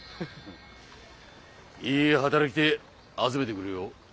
いい働き手集めてくれよ。